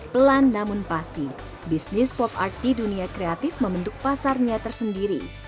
pelan namun pasti bisnis pop art di dunia kreatif membentuk pasarnya tersendiri